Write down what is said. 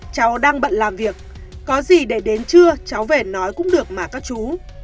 cháu đang bận làm việc có gì để đến trưa cháu về nói cũng được mà các chú